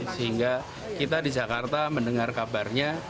sehingga kita di jakarta mendengar kabarnya